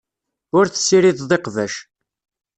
Ur tessirideḍ iqbac.